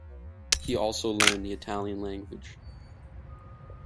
He also learned the Italian language.